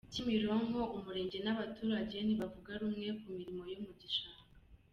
Kimironko Umurenge n’abaturage ntibavuga rumwe ku mirimo yo mu gishanga